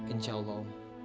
insya allah om